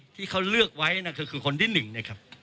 ที่เขาเลือกไว้นะคือคนที่๑เนี่ยครับ